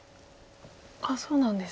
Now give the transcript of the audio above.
あっそうなんですね。